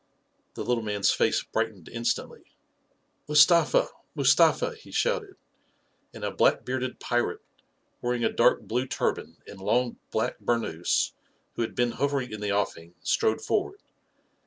The little man's face brightened instantly. " Mustafa 1 Mustafa 1 " he shouted, and a black bearded pirate, wearing a dark blue turban and long black burnous, who had been hovering in the offing, strode forward.